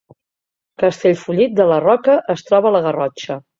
Castellfollit de la Roca es troba a la Garrotxa